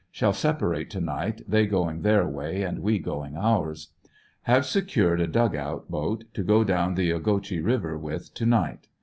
Shall separate to night, they going their way and we going ours. Have secured a dug out boat to go down the Ogechee Kiver with to night.